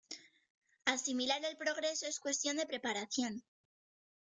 Asimilar el progreso es una cuestión de preparación.